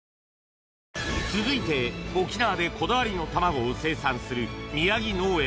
続いて沖縄でこだわりの卵を生産するみやぎ農園